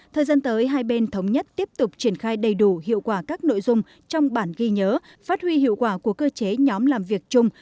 thời gian tới hai bên thống nhất tiếp tục triển khai đầy đủ hiệu quả các nội dung trong bản ghi nhớ phát huy hiệu quả của cơ chế nhóm làm việc chung